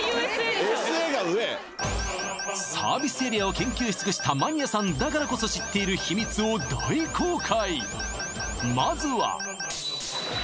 サービスエリアを研究し尽くしたマニアさんだからこそ知っている秘密を大公開！